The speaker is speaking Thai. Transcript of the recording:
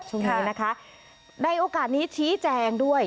ช่วงนี้นะคะในโอกาสนี้ชี้แจงด้วย